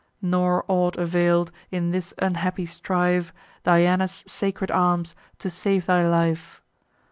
Nor aught avail'd, in this unhappy strife, Diana's sacred arms, to save thy life.